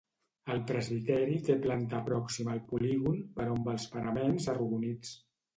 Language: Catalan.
El presbiteri té planta pròxima al polígon però amb els paraments arrodonits.